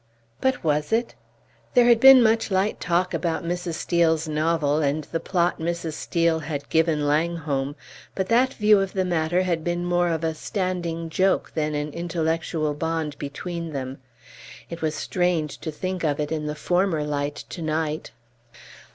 But was it? There had been much light talk about Mrs. Steel's novel, and the plot that Mrs. Steel had given Langholm, but that view of the matter had been more of a standing joke than an intellectual bond between them. It was strange to think of it in the former light to night.